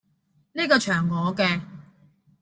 呢個場我既